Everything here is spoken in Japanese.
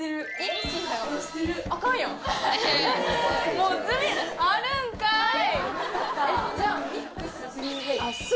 ・もう普通にあるんかい・